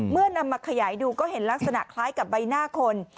นำมาขยายดูก็เห็นลักษณะคล้ายกับใบหน้าคน